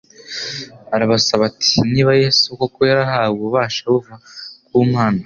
Arabasaba ati niba Yesu koko yarahawe ububasha buva ku Mana